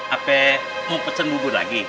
ape mau pesen bubur lagi